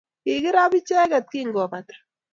kikirap icheket kingopata